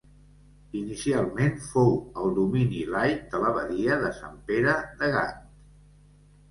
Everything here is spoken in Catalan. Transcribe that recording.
Inicialment fou el domini laic de l'abadia de Sant Pere de Gant.